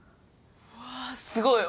うわぁすごい！